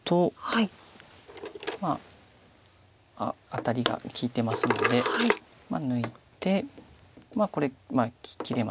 アタリが利いてますので抜いてこれ切れます。